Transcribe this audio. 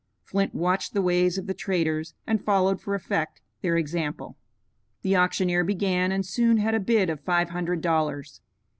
Flint watched the ways of the traders and followed for effect their example. The auctioneer began and soon had a bid of five hundred dollars.